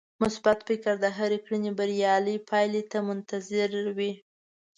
مثبت فکر د هرې کړنې بريالۍ پايلې ته منتظر وي.